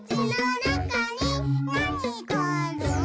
「なにがある？」